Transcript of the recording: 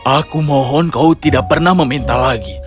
aku mohon kau tidak pernah meminta lagi